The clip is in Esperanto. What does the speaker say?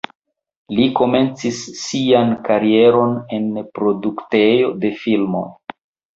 Li komencis sian karieron en produktejo de filmoj.